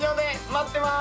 待ってます！